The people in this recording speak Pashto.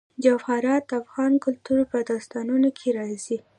جواهرات د افغان کلتور په داستانونو کې راځي.